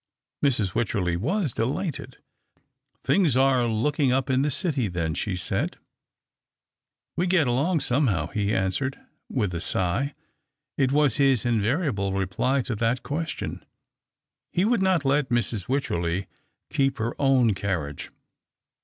Mrs. AYycherley was delighted. " Things are looking up in the city, then," she said. "We get alonsc somehow," he answered, with a sigh. It was his invariable reply to that question. He would not let Mrs. Wycherley keep her own carriage.